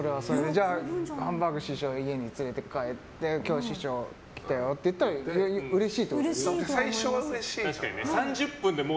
じゃあハンバーグ師匠を家に連れて帰って今日師匠来たよって言ったら最初はうれしい。